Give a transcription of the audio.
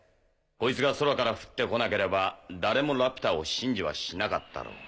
こいつが空から降って来なければ誰もラピュタを信じはしなかったろう。